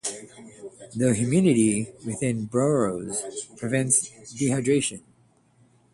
The humidity within burrows prevents dehydration.